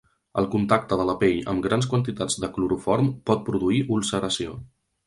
El contacte de la pell amb grans quantitats de cloroform pot produir ulceració.